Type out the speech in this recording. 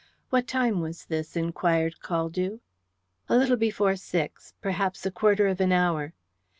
"What time was this?" inquired Caldew. "A little before six perhaps a quarter of an hour."